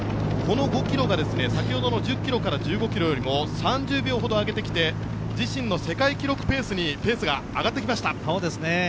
この５ｋｍが先ほどの１０ｋｍから１５ｋｍよりも３０秒ほど上げてきて自身の世界記録ペースにペースが上がってきました。